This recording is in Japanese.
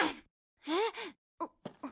えっ？